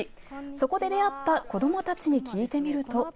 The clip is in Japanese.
そこで出会った子どもたちに聞いてみると。